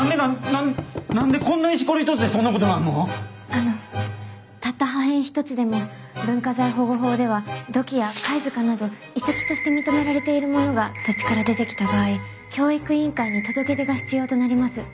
あのたった破片一つでも文化財保護法では土器や貝塚など遺跡として認められているものが土地から出てきた場合教育委員会に届け出が必要となります。